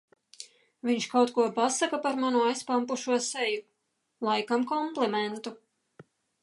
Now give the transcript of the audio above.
Viņš kaut ko pasaka par manu aizpampušo seju. Laikam komplimentu.